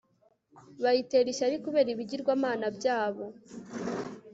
bayitera ishyari kubera ibigirwamana byabo